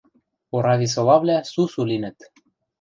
Орависолавлӓ сусу линӹт.